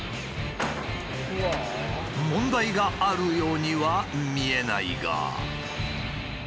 問題があるようには見えないが。